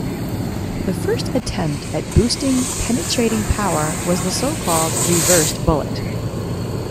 The first attempt at boosting penetrating power was the so-called 'reversed bullet'.